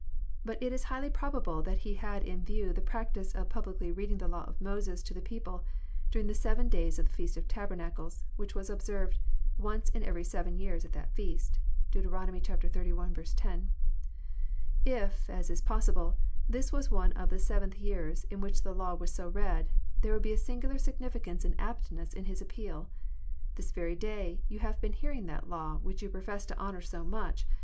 But it is highly probable that He had In view the practice of publicly reading the law of Moses to the people during the seven days of the feast of tabernacles, which was observed once in every seven years at that feast. (Deut. xxxi. 10.) If, as is possible, this was one of the seventh years in which the law was so read, there would be a singular significance and aptness in His appeal. "This very day you have been hearing that law, which you profess to honour so much.